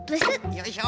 よいしょ。